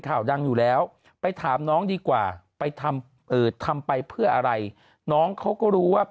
ข่าวดังอยู่แล้วไปถามน้องดีกว่าไปทำเอ่อทำไปเพื่ออะไรน้องเขาก็รู้ว่า